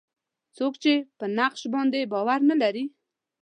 څوک یې په نقش باندې باور نه لري.